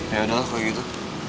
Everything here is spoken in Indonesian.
ya udah lah kalo gitu